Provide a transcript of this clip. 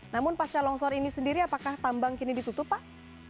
namun pasca longsor ini sendiri apakah tambang kini ditutup pak